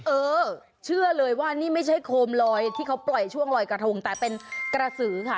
เออเชื่อเลยว่านี่ไม่ใช่โคมลอยที่เขาปล่อยช่วงลอยกระทงแต่เป็นกระสือค่ะ